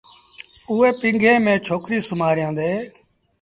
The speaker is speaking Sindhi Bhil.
اُئي پيٚگي ميݩ ڇوڪريٚ سُومآريآندي۔